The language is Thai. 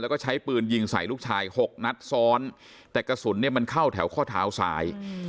แล้วก็ใช้ปืนยิงใส่ลูกชายหกนัดซ้อนแต่กระสุนเนี่ยมันเข้าแถวข้อเท้าซ้าย